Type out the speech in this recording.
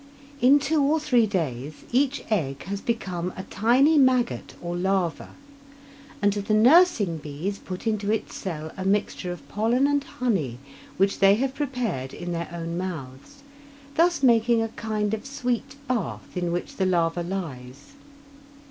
In two or three days each egg has become a tiny maggot or larva, and the nursing bees put into its cell a mixture of pollen and honey which they have prepared in their own mouths, thus making a kind of sweet bath in which the larva lies.